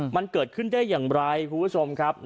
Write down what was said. มันเกิดขึ้นได้อย่างไรคุณผู้ชมครับ